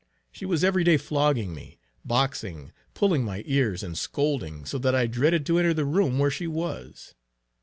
She was every day flogging me, boxing, pulling my ears, and scolding, so that I dreaded to enter the room where she was.